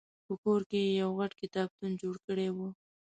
په کور کې یې یو غټ کتابتون جوړ کړی و.